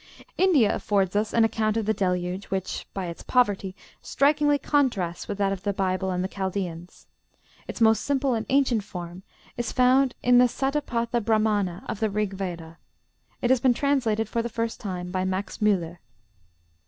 India affords us an account of the Deluge which, by its poverty, strikingly contrasts with that of the Bible and the Chaldeans. Its most simple and ancient form is found in the Çatapatha Brâhmana of the Rig Veda. It has been translated for the first time by Max Müller.